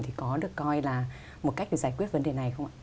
thì có được coi là một cách để giải quyết vấn đề này không ạ